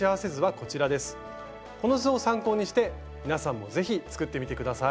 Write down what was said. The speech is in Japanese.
この図を参考にして皆さんも是非作ってみて下さい。